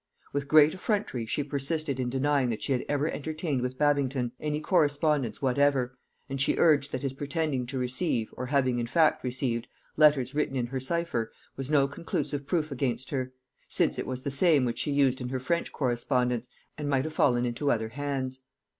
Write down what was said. With great effrontery she persisted in denying that she had ever entertained with Babington any correspondence whatever; and she urged that his pretending to receive, or having in fact received, letters written in her cipher, was no conclusive proof against her; since it was the same which she used in her French correspondence, and might have fallen into other hands.